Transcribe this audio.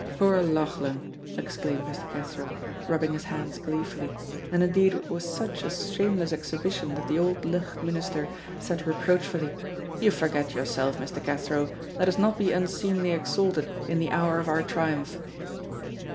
"Poor Lauchlan!" exclaimed Mr. Cathro, rubbing his hands gleefully, and indeed it was such a shameless exhibition that the Auld Licht minister said reproachfully, "You forget yourself, Mr. Cathro, let us not be unseemly exalted in the hour of our triumph."